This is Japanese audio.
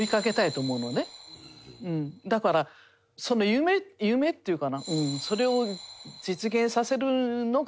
だからその夢夢っていうかなそれを実現させるのが楽しみだから。